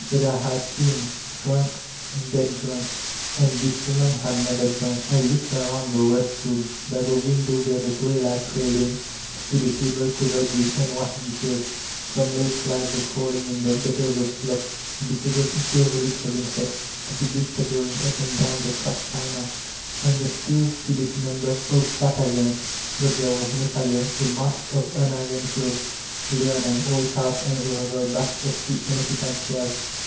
But I had seen : drunk, dead drunk ! And this woman had never drunk. I kwked around the wretched room. By the window, where the gray light trailed in, stood a table covered with unwashed dishes; some late flies were crawling in the gutters of slop, besotted derelicts of insects, stupidly staggering up and down the cracked china. On the stove stood a number of flat irons, but there was no fire. A mass of unironed clothes lay on an old coudi and over the backs of two unoccupied chairs.